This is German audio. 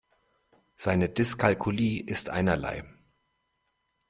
Seine Dyskalkulie ist einerlei.